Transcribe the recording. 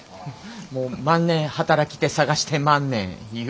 もう万年働き手探してまんねんいうて。